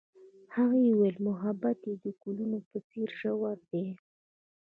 هغې وویل محبت یې د ګلونه په څېر ژور دی.